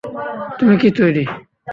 তুমি কি তৈরি?